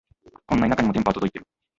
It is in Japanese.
こんな田舎にも電波は届いてる